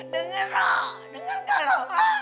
dengar ro dengar gak ro